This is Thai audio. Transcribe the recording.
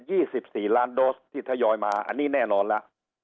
ี่สิบสี่ล้านโดสที่ทยอยมาอันนี้แน่นอนแล้ว